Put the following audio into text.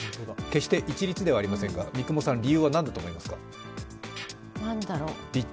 決して一律ではありませんが、理由は何だと思いますか。